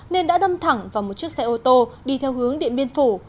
nên đã đâm thẳng vào một chiếc xe ô tô đi theo hướng điện biên phủ